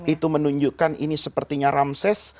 itu menunjukkan ini sepertinya ramses